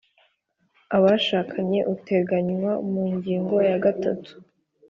abashakanye uteganywa mu ngingo ya gatanu